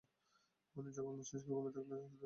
মানে যখন আমাদের মস্তিষ্ক ঘুমে থাকলেও শরীর সজাগ থকে।